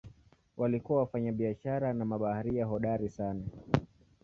Walikuwa wafanyabiashara na mabaharia hodari sana.